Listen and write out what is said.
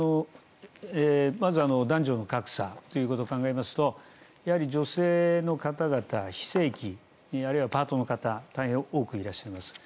まず、男女の格差ということを考えますと女性の方々非正規あるいはパートの方大変多くいらっしゃいます。